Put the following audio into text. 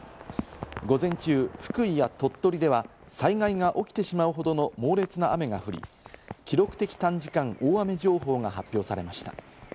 午前中、福井や鳥取では災害が起きてしまうほどの猛烈な雨が降り、記録的短時間大雨情報が発表されました。